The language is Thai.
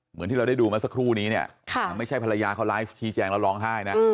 เหมือนที่เราได้ดูมาสักครู่นี้เนี่ยไม่ใช่ภรรยาเขาไลฟ์ชี้แจงแล้วร้องไห้นะ